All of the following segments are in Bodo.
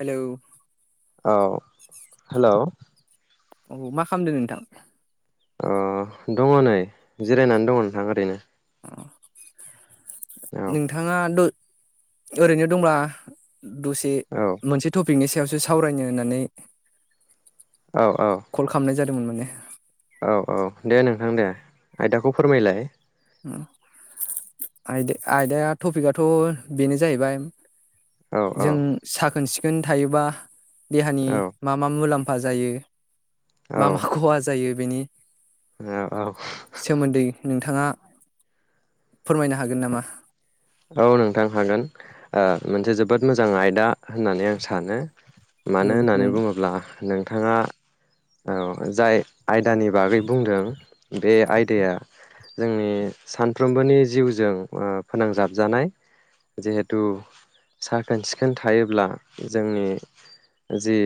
हेलौ औ हेलौ औ मा खालामदों नोंथां? अ दङ नै जिरायनानै दङ नोंथां ओरैनो। औ नोंथाङा द ओरैनो दंब्ला। दसे औ मोनसे टपिकनि सा यावसो सावरायनो होननानै। औ औ। दोंमोन माने। औ औ दे नोंथां दे आयदाखौ फोरमायलाय। आयदा आयदाया टपिकआथ' बेनो जाहैबाय। औ औ जों साखोन-सिखो खोन थायोबा। देहानि औ मा मा मुलाम फाजायो? मामा खहा जायो? बिनि हो औ। नोंथाङा फोरमायनो हागोन नामा? औ नोंथां हागोन आ मोनसे जोबोद मोजां आयदा होननानै आं सानो। औ मानो होननानै बुङोब्ला नोंथाङा औ जाय आयदानि बागै बुंदों बे आयदाया जोंनि सानफ्रोमबोनि जिउजों ओ फोनांजाब। जानाय जिहेथु साखोन सिखोन थायोब्ला जोंनि जि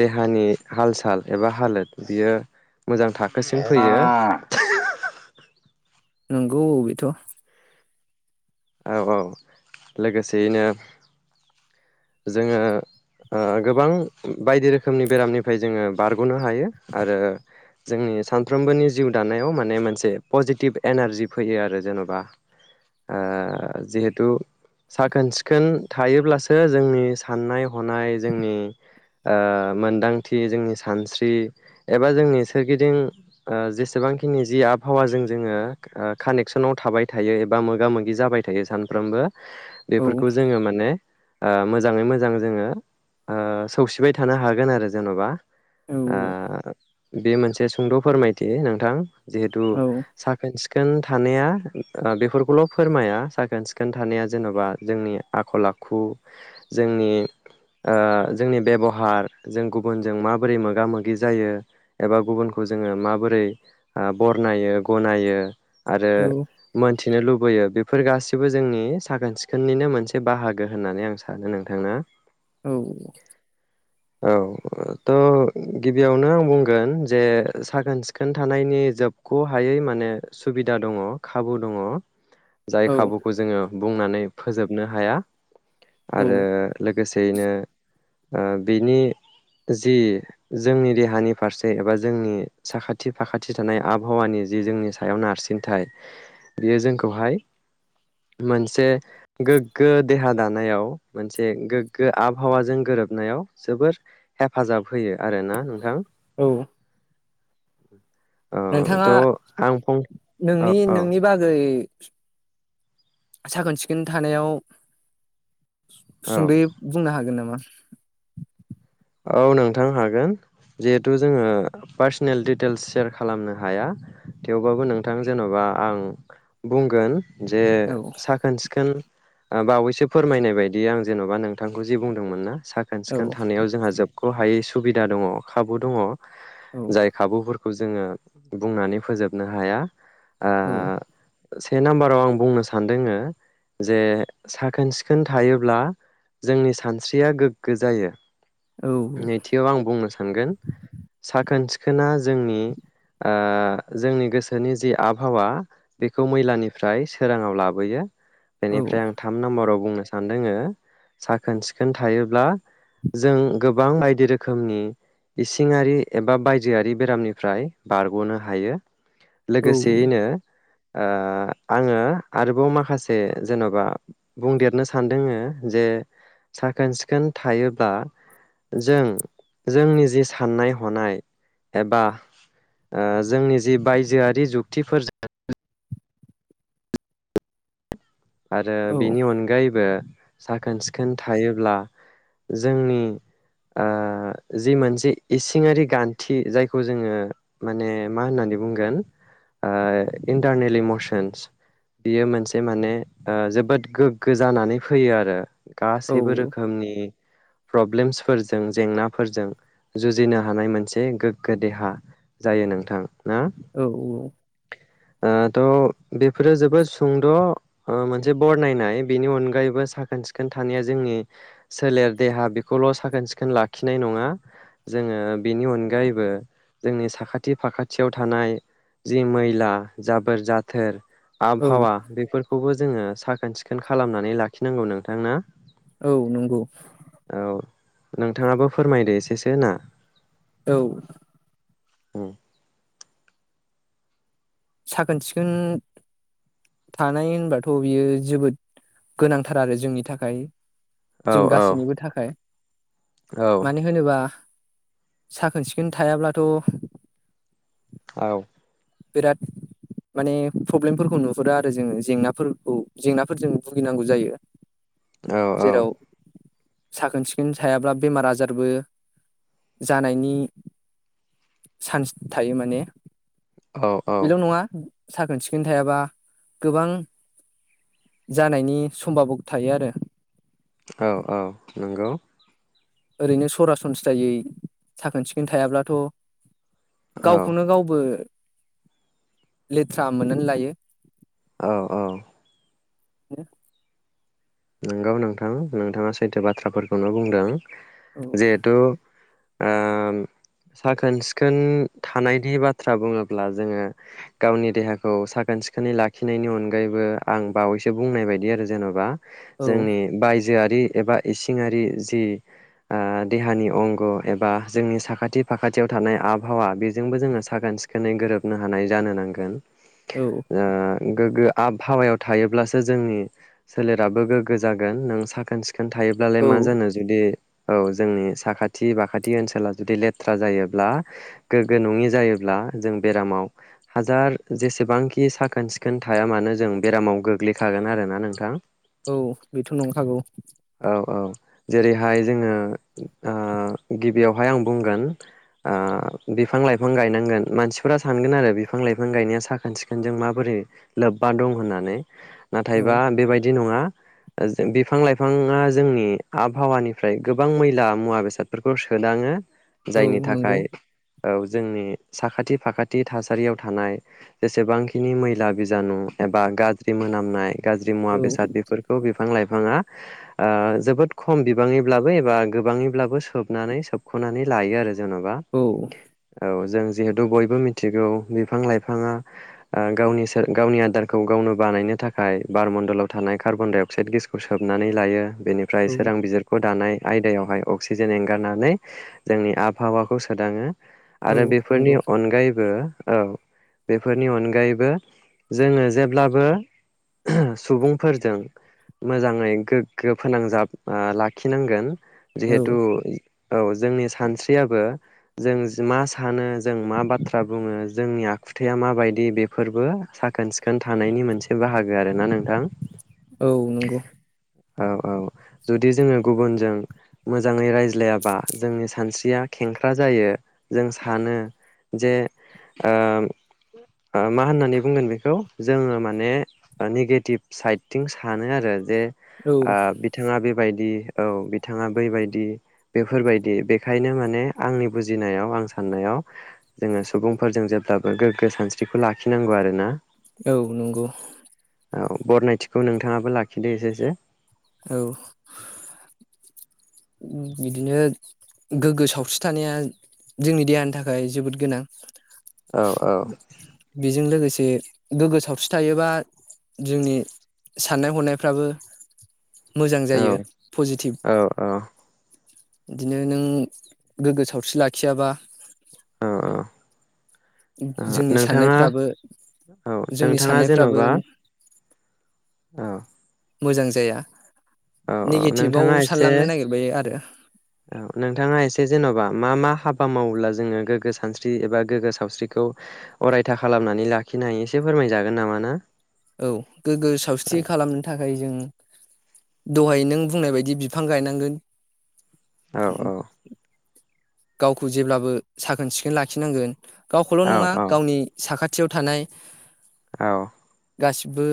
देहानि हाल साल एबा हालोद बियो मोजां थाखोसिम फैयो नंगौ अ बेथ' औ औ लोगोसेयैनो। जोङो गोबां ओ बायदि रोखोमनि बेरामनिफ्राय जोङो बारग'नो हायो आरो जोंनि सानफ्रोमबोनि जिउ दानायाव माने मोनसे पजिटिभ एनारजि फैयो आरो जेन'बा आ जिहेथु साखोन सिखोन थायोब्लासो। जोंनि साननाय हनाय जोंनि ओ मोनदांथि जोंनि सानस्रि एबा जोंनि सोरगिदिं आ जेसेबांखिनि जि आबहावाजों जोङो ओ कानेक्सनाव थाबाय थायो एबा मोगा मोगि जाबाय थायो सानफ्रोमबो। औ बेफोरखौ जोङो माने ओ मोजाङै मोजां जोङो ओ सौसिबाय थानो हागोन आरो जेन'बा औ आ बे मोनसे सुंद' फोरमायथि नोंथां जिहेतु औ साखोन सि खोन थानाया ओ बेफोरखौल' फोरमाया साखोन सिखोन थानाया जेन'बा जोंनि आखल आखु जोंनि ओ जोंनि बेबहार जों गुबुनजों माबोरै मोगा मोगि जायो एबा गुबुनखौ जोङो माबोरै आ बरनायो गनायो आरो औ मोनथिनो लुबैयो बेफोर गासिबो जोंनि साखोन सिखोननिनो मोनसे बाहागो होननानै आं सानो नोंथाङा औ औ थ' गिबियावनो आं बुंगोन जे साखोन सिखोन थानायनि जोबखौहायै माने सुबिदा दङ खाबु दङ जाय औ खाबुखौ जोङो बुंनानै फोजोबनो हाया औ आरो लो गोसेयैनो ओ बिनि जि जोंनि देहानि फारसे एबा जोंनि साखाथि फाखाथि थानाय आबहावानि जि जोंनि सायाव नारसिनथाय बेयो जोंखौहाय मोनसे गोग्गो देहा दानायाव मोनसे गोग्गो आबहावाजों गोरोबनायाव जोबोर हेफाजाब होयो आरोना नोंथां औ। [unintelligible] औ नोंथाङा थ' आं फं नोंनि औ नोंनि बागै साखोन सिखोन थानायाव औ सुंद'यै बुंनो हागोन नामा। [inaudible] औ नोंथां हागोन जिहेथु जोङो पार्सनेल दिडिटेल्स सेयार खालामनो हाया थेवबाबो नोंथां जेन'बा आं बुंगोन जे औ साखोन सिखोन बावैसो फोरमायनाय बायदि आं जेन'बा नोंथांखौ जि बुंदोंमोन ना। साखोन औ सिखोन थानायाव जोंहा ख' हायै सुबिदा दङ खाबु दङ। औ जाय खाबु फो खौ जोङो बुंनानै फोजोबनो हाया। ओ औ। से नाम्बाराव आं बुंनो सानदोङो जे साखोन सिखोन थायोब्ला जोंनि सानस्रिया गोग्गो जायो। औ नैथियाव आं बुंनो सानगोन साखोन सि खोना जोंनि ओ जोंनि गोसोनि जि आबहावा बेखौ मैलानिफ्राय सोराङाव लाबोयो। औ बेनिफ्राय आं थाम नाम्बाराव बुंनो सानदोङो साखोन सिखोन थायोब्ला जों गोबां बायदि रोखोमनि इसिङारि एबा बायजोआरि बेरामनिफ्राय बारग'नो हायो। औ लोगोसेयैनो ओ आङो आरोबाव माखासे जेन'बा बुंदेरनो सानदोङो जे साखोन सिखोन थायो बा जों जोंनि जि साननाय हनाय एबा ओ जोंनि जि बायजोआरि जुक्तिफोरजों आरो बेनि अनगायैबो। साखोन सिखोन थायोब्ला जोंनि ओ जि मोनसे इसिङारि गान्थि जायखौ जोङो माने मा होननानै बुंगोन ओ इन्टारनेल इमसन्स बियो मोनसे माने ओ जोबोद गोग्गो जानानै फैयो आरो। औ गासैबो रोखोमनि प्रब्लेमसफोरजों जेंनाफोरजों जुजिनो हानाय मोनसे गोग्गो देहा जायो नोंथां। ना औ औ औ। ओ थ' बेफोरो जोबोद सुंद' ओ मोनसे बरनायनाय बेनि अनगायैबो साखोन सिखोन थानाया जोंनि सोलेर देहा बेखौल' साखोन सिखोन लाखिनाय नङा जोङो बेनि अनगायैबो जोंनि साखाथि फाखाथियाव थानाय जि मैला जाबोर जाथोर औ आबहावा बेफोरखौबो। जोङो साखोन सिखोन खालामनानै लाखिनांगौ नोंथां ना। औ नंगौ। औ नोंथाङाबो फोरमायदो एसेसो ना। औ। औ साखोन सिखोन थानाय होनबाथ' बियो जोबोद गोनांथार आरो जोंनि थाखाय। औ जों गासैनिबो थाखाय। औ मानि होनोबा साखोन सिखोन थायाब्लाथ' औ। बिराद माने प्रब्लेमफोरखौ नुहुरो आरो जोङो जेंनाफोरखौ जेंनाफोरजों भुगिनांगौ जायो। औ जेराव साखोन सिखोन थायाब्ला बेमार आजारबो जानायनि चान्स थायो माने औ औ बेल' नङा। साखोन सिखोन थायाबा गोबां जानायनि समभाबब थायो आरो। औ औ नंगौ। ओरैनो सरासनस्रायै साखोन सिखोन थायाब्लाथ'। औ गावखौनो गावबो लेथ्रा मोननानै लायो। औ औ। हो? नंगौ नोंथां नोंथाङा सैथो बाथ्राफोरखौनो बुंदों। औ जेहेतु ओम साखोन सिखोन थानायनि बाथ्रा बुङोब्ला जोङो गावनि देहाखौ साखोन सिखोनै लाखिनायनि अनगायैबो आं बावैसो बुंनाय बायदि आरो जेन'बा औ जोंनि बायज जोआरि एबा इसिङारि जि ओ देहानि अंग' एबा जोंनि साखाथि फाखाथियाव थानाय आबहावा बेजोंबो जोङो साखोन सिखोनै गोरोबनो हानाय जानो नांगोन। औ ओ गोग्गो आबहावायाव थायोब्लासो जोंनि सोलेराबो गोग्गो जागोन नों साखोन सिख खोन थायोब्लालाय औ मा जानो जुदि औ जोंनि साखाथि बाखाथि ओनसोला जुदि लेथ्रा जायोब्ला गोग्गो नङि जायोब्ला जों बेरामाव हाजार जेसेबांखि साखोन सिखोन थाया मानो जों बेरामाव गोग्लैखागोन आरोना नोंथां। औ बेथ' नंखागौ। औ औ जेरैहाय जोङो ओ गिबियावहाय आं बुंगोन बिफां लाइफां गायनांगोन मानसिफोरा सानगोन आरो बिफां लाइफां गायनाया साखोन सिखोनजों माबोरै लोब्बा दं होननानै? औ नाथायबा बेबायदि नङा । ओ जों बिफां लाइफां फाङा जोंनि आबहावानिफ्राय गोबां मैला मुवा बेसादफोरखौ सोदाङो। औ जायनि नंगौ थाखाय औ जोंनि साखाथि फाखाथि थासारियाव थानाय जेसेबांखिनि मैला बिजानु एबा गाज्रि मोनामनाय गाज्रि मुवा औ बेसाद बेफोरखौ बिफां लाइफाङा ओ जोबोद खम बिबाङैब्लाबो एबा गोबाङैब्लाबो सोबनानै सोबख'नानै लायो आरो जेनबा औ औ जों जिहेतु बयबो मिथिगौ बिफां लाइफाङा ओ गावनि सोर गावनि आदारखौ गावनो बानायनो थाखाय बारमणडलाव थानाय कार्बन डाइ अक्साइद गेसखौ सो सोबनानै लायो। बेनिफ्राय औ सोरांबिजिरख' दानाय आयदायावहाय अक्सिजेन एंगारनानै जोंनि आबहावाखौ सोदाङो। औ आरो बेफोरनि नंगौ अनगायैबो। औ बेफोरनि अनगायैबो जोङो जेब्लाबो सुबुंफोरजों मोजाङै गोग्गो फोनांजाब ओ लाखिनांगोन। औ जिहेतु औ जोंनि सानस्रियाबो जों मा सानो जों मा बाथ्रा बुङो जोंनि आखुथाया माबायदि बेफोरबो साखोन सिखोन थानायनि मोनसे बाहागो आरोना नों थां औ नंगौ औ औ जुदि जोङो गुबुनजों मोजाङै रायज्लायाबा जोंनि सानस्रिया खेंख्रा जायो जों सानो जे ओ मा होननानै बुंगोन बेखौ जोङो माने निगेटिभ साइदथिं सानो आरो जे औ ओ बिथाङा बेब बायदि औ बिथाङा बैबायदि बेफोरबायदि बेखायनो माने आंनि बुजिनायाव आं साननायाव जोङो सुबुंफोरजों जेब्लाबो गोग्गो सानस्रिखौ लाखिनांगौ आरोना। औ नंगौ। औ बरनायथिखौ नों थाङाबो लाखिदो एसेसो? औ बिदिनो गोग्गो सावस्रि थानाया जोंनि देहानि थाखाय जोबोद गोनां। औ औ बेजों लोगो से गोग्गो सावस्रि थायोबा जोंनि साननाय हनायफ्राबो मोजां औ जायो पजिटिभ। औ औ बिदिनो नों गोग्गो सावस्रि लाखियाबा [inaudible] औ औ ओ जोंनि नोंथाङा साननायफ्राबो औ जोंनि नोंथाङा साननायफ्राबो जेन'बा औ मोजां जाया। औ औ नेगेटिभाव नोंथाङा एसे सानलांनो नागिरबायो आरो औ नोंथाङा एसे जेनबा मा मा हाबा मावोब्ला जोङो गोगो सानस्रि एबा गोग्गो सावस्रिखौ अरायथा खालामनानै लाखिनो हायो एसे फोरमायजागोन नामा ना? औ गोग्गो सावस्रि खालामनो थाखाय जों दहाय नों बुंनाय बायदि बिफां गायनांगोन। औ औ गावखौ जेब्लाबो साखोन सिखोन लाखिनांगोन। गावखौल' औ नङा गावनि साखा थियाव थानाय औ गासिबो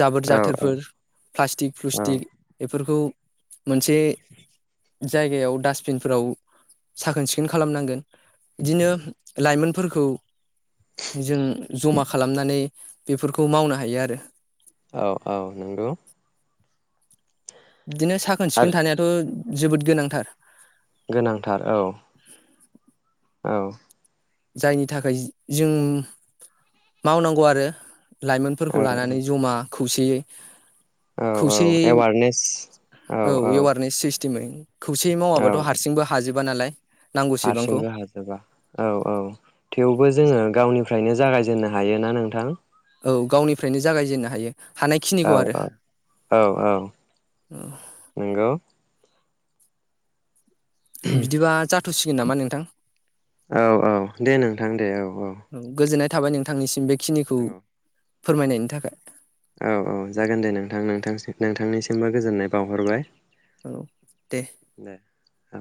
जाबोर औ जाथोरफोर प्लास्टिक औ फ्लुस्टिक एफोरखौ मोनसे जायगायाव डास फिनफोराव साखोन सिखोन खालामनांगोन। इदिनो लाइमोन फोरखौ जों ज'मा खालामनानै बेफोरखौ मावनो हायो आरो। औ औ नंगौ। बिदिनो साखोन सिखोन आरो थानायाथ' जोबोद गोनांथार। गोनांथार औ औ जायनि थाखाय जों मावनांगौ आरो लाइमोनफोरखौ लानानै ज'मा खौसेयै औ औ खौसेयै एवारनेस औ औ तिमै खौसेयै औ मावाबाथ' हारसिंबो हाजोब माबा नालाय नांगौसेबांखौ हारसिंबो हाजोबा औ औ थेवबो जोङो गावनिफ्रायनो जागायजेननो हायो ना नोंथां औ गावनिफ्रायनो जागायजेननो हायो औ हानायखिनिखौ आरो औ औ औ नंगौ बिदिबा ज थ'सिगोन नामा नोंथां औ औ दे नोंथां दे औ औ थाबाय नोंथांनिसिम बे बेखिनिखौ औ फोरमायनायनि थाखाय औ औ जागोन दे नोंथां नोंथां नोंथांनिसिमबो गोजोननाय बावहरबाय औ दे दे औ